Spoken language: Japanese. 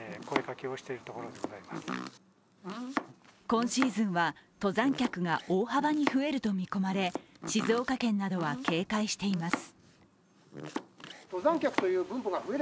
今シーズンは登山客が大幅に増えると見込まれ静岡県などは警戒しています。